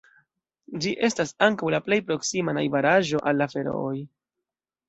Ĝi estas ankaŭ la plej proksima najbaraĵo al la Ferooj.